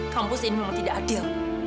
kampus ini memang tidak adil